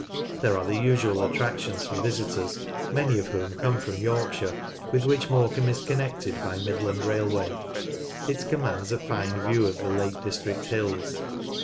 There are the usual attractions for visitors, many of whom come from Yorkshire, with which More cambe is connected by Midland Railway. It commands a fine view of the Lake District hills.